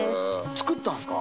作ったんすか？